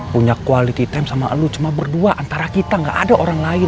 punya quality time sama lu cuma berdua antara kita gak ada orang lain